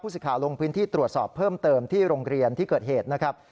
สิทธิ์ลงพื้นที่ตรวจสอบเพิ่มเติมที่โรงเรียนที่เกิดเหตุนะครับ